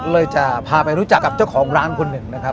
เลยจะพาไปรู้จักกับเจ้าของร้านคนหนึ่งนะครับ